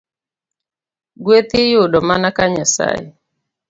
Gweth iyudo mana ka Nyasaye